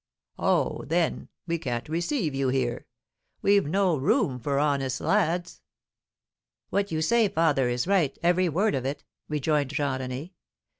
'Oh, then we can't receive you here we've no room for honest lads.'" "What you say, father, is right, every word of it," rejoined Jean René.